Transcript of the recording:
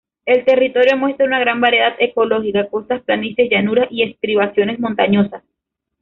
El territorio muestra una gran variedad ecológica: costas, planicies, llanuras y estribaciones montañosas.